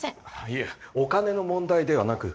いえお金の問題ではなく。